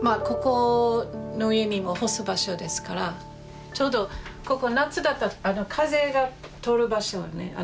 ここの上にも干す場所ですからちょうどここ夏だったら風が通る場所ね。